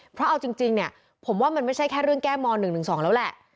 เพราะเอาจริงเนี่ยผมว่ามันไม่ใช่แค่เรื่องแก้ม๑๑๒แล้วแหละ